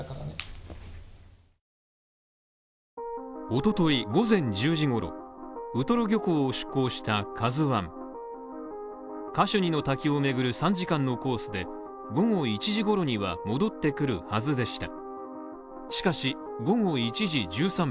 おととい午前１０時ごろ、ウトロ漁港を出港した「ＫＡＺＵ１」カシュニの滝を巡る３時間のコースで午後１時ごろには戻ってくるはずでした。